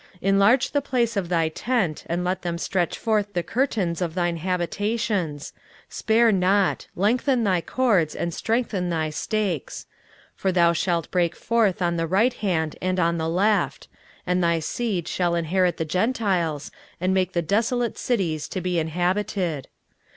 23:054:002 Enlarge the place of thy tent, and let them stretch forth the curtains of thine habitations: spare not, lengthen thy cords, and strengthen thy stakes; 23:054:003 For thou shalt break forth on the right hand and on the left; and thy seed shall inherit the Gentiles, and make the desolate cities to be inhabited.